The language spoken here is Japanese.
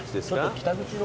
北口の方。